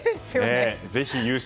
ぜひ、優勝